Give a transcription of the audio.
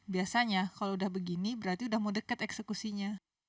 biasanya kalau udah begini berarti udah mau deket eksekusinya